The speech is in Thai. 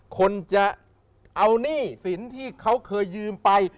คนจะเอาหนี้สินที่เขาเคยยืมไป